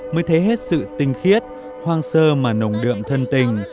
mới thấy hết sự tinh khiết hoang sơ mà nồng đượm thân tình